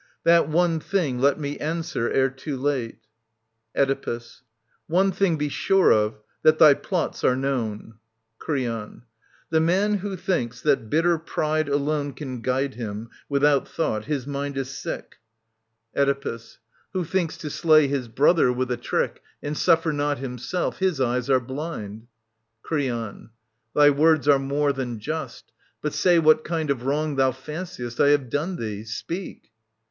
That one thing let me answer ere too late. Oedipus. One thing be sure of, that thy plots are known. Creon. » The man who thinks that bitter pride alone Can guide him, without thought — his mind is sick. 30 TT.55i s6a OEDIPUS, KING OF THEBES Oedipus. Who thinks to slay his brother with a trick And suffer not himself) his ejcs are blind. Creon. Thy words are more than just. But say what kind Of wrong thou fanciest I have done thee. Speak.